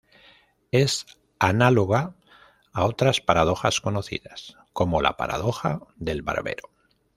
Es análoga a otras paradojas conocidas, como la Paradoja del barbero.